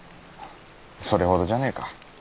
それほどじゃねえか。